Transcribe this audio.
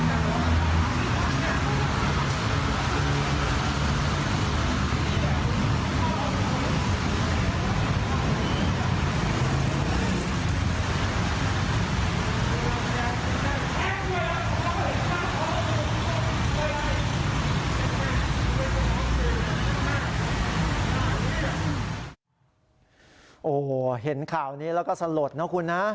โอ้โหเห็นข่าวนี้แล้วก็สลดนะคุณนะ